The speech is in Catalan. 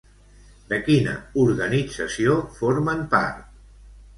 De quina organització formen part?